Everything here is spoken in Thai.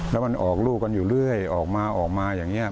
แล้วมันออกลูกกันอยู่เรื่อยออกมาออกมาอย่างนี้